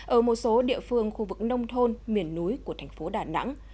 ở một số địa phương khu vực nông thôn miền núi của thành phố đà nẵng